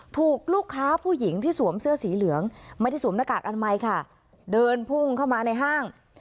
ถูกลูกค้าผู้หญิงที่สวมเสื้อสีเหลืองไม่ได้สวมหน้ากากอนามัยค่ะเดินพุ่งเข้ามาในห้าง